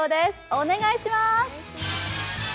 お願いします。